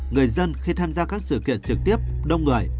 người dân khi tham gia các sự kiện trực tiếp đông người